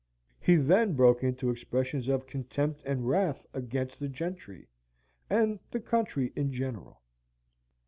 He then broke into expressions of contempt and wrath against the gentry, and the country in general.